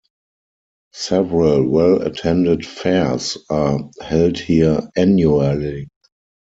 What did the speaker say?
Several well-attended fairs are held here annually.